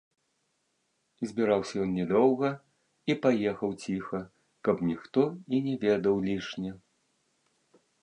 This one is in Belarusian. Збіраўся ён не доўга і паехаў ціха, каб ніхто і не ведаў лішне.